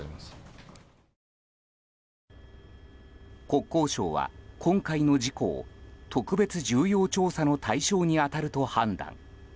国交省は、今回の事故を特別重要調査の対象に当たると判断。